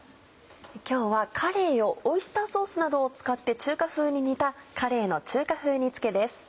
今日はかれいをオイスターソースなどを使って中華風に煮た「かれいの中華風煮つけ」です。